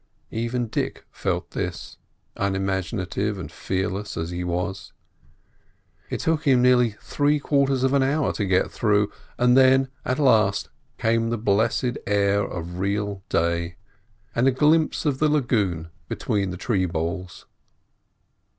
Even Dick felt this, unimaginative and fearless as he was. It took him nearly three quarters of an hour to get through, and then, at last, came the blessed air of real day, and a glimpse of the lagoon between the tree boles.